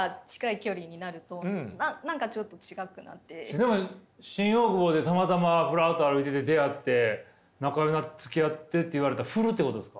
でも新大久保でたまたまふらっと歩いてて出会って仲よくなって「つきあって」って言われたら振るってことですか？